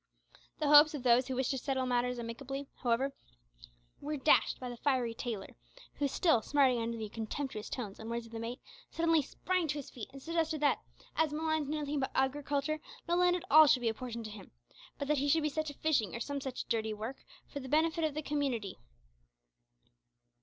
The hopes of those who wished to settle matters amicably, however, were dashed by the fiery tailor, who, still smarting under the contemptuous tones and words of the mate, suddenly sprang to his feet and suggested that, as Malines knew nothing about agriculture, no land at all should be apportioned to him, but that he should be set to fishing, or some such dirty work, for the benefit of the community.